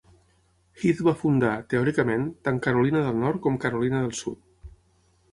Heath va fundar, teòricament, tant Carolina del Nord com Carolina del Sud.